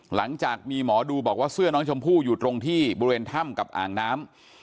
หลังจากมีหมอดูบอกว่าเสื้อน้องชมพู่อยู่ตรงที่บริเวณถ้ำกับอ่างน้ำ